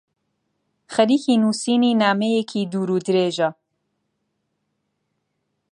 خەریکی نووسینی نامەیەکی دوورودرێژە.